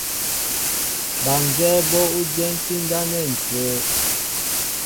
Ba nzɛ́ɛ́ bó ú dyɛntí ndáp nɛ́ ǹcʉ́wə́.